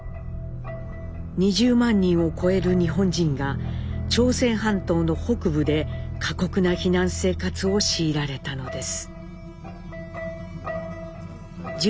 ２０万人を超える日本人が朝鮮半島の北部で過酷な避難生活を強いられたのです。